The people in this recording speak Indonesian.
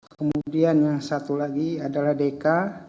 kemudian yang satu lagi adalah deka